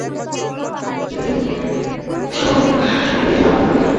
মৃন্ময়ী সবলে মাথা নাড়িয়া তাহার হাত সরাইয়া দিল।